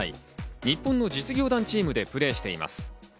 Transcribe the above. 日本の実業団チームでプレーしています。